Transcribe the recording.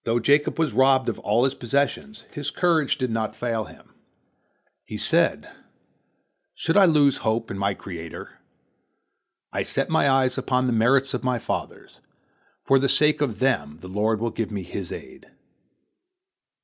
Though Jacob was robbed of all his possessions, his courage did not fail him. He said: "Should I lose hope in my Creator? I set my eyes upon the merits of my fathers. For the sake of them the Lord will give me His aid."